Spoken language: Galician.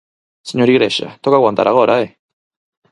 Señor Igrexa, toca aguantar agora, ¡eh!